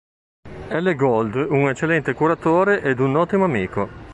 L. Gold un eccellente curatore ed un ottimo amico.